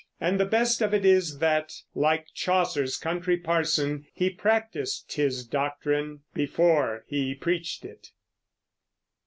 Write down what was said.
And the best of it is that, like Chaucer's country parson, he practiced his doctrine before he preached it.